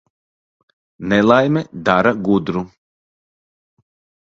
Nelaime dara gudru.